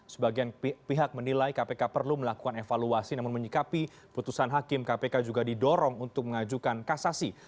sebagian pihak menilai kpk perlu melakukan evaluasi namun menyikapi putusan hakim kpk juga didorong untuk mengajukan kasasi